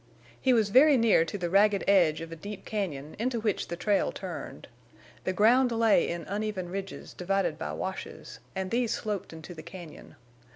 He was very near to the ragged edge of a deep cañon into which the trail turned. The ground lay in uneven ridges divided by washes, and these sloped into the cañon.